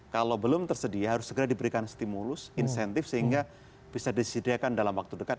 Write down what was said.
kalau belum tersedia harus segera diberikan stimulus insentif sehingga bisa disediakan dalam waktu dekat